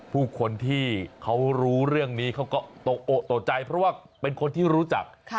ผู้คนที่เขารู้เรื่องนี้เขาก็ตกใจเพราะว่าเป็นคนที่รู้จัก